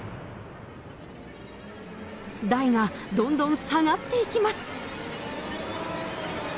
台がどんどん下がっていきます。